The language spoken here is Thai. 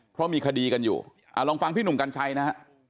เพราะมีคดีกันอยู่ลองฟังพี่หนุ่มกัญชัยนะฮะ